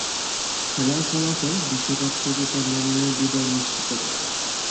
খেলার ফলাফল বিশ্বকাপ থেকে ক্যামেরুনের বিদায় নিশ্চিত করে।